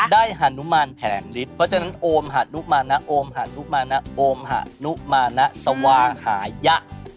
หานุมานแผนฤทธิ์เพราะฉะนั้นโอมหานุมานะโอมหะนุมานะโอมหะนุมานะสว่างหายะ